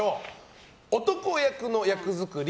男役の役作り